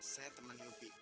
saya temannya upi